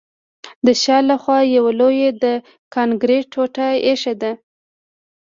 د شا له خوا یوه لویه د کانکریټ ټوټه ایښې ده